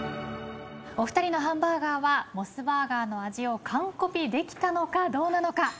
お二人のハンバーガーはモスバーガーの味をカンコピできたのかどうなのか？